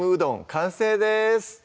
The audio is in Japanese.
完成です